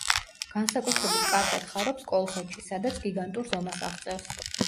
განსაკუთრებით კარგად ხარობს კოლხეთში, სადაც გიგანტურ ზომას აღწევს.